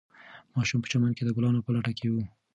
ماشوم په چمن کې د ګلانو په لټه کې و.